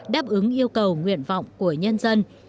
đáp ứng yêu cầu nguyện vọng của nhân dân